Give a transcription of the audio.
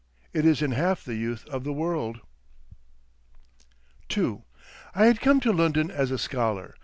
It is in half the youth of the world. II I had come to London as a scholar.